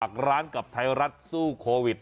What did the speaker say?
ร้านกับไทยรัฐสู้โควิด